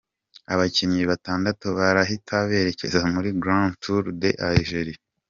Abakinnyi batandatu barahita berekeza muri Grand Tour d’Algerie.